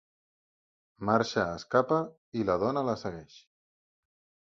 Marsha escapa i la dona la segueix.